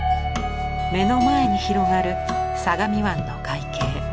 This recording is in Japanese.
目の前に広がる相模湾の海景。